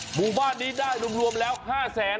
หมู่บ้านนี้ได้รวมแล้ว๕๐๐๐๐๐๐ฮะ